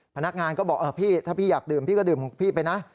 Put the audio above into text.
พนักงานก็บอกพี่ถ้าพี่อยากดื่มพี่ก็ดื่มของพี่ไปนะ